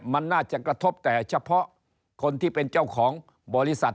มันน่าจะกระทบแต่เฉพาะคนที่เป็นเจ้าของบริษัท